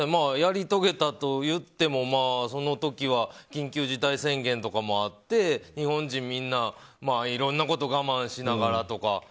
やり遂げたといってもその時は緊急事態宣言とかもあって日本人みんないろんなことを我慢しながらとか。